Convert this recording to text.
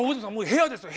部屋ですよ